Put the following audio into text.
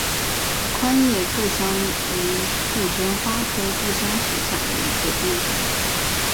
宽叶杜香为杜鹃花科杜香属下的一个变种。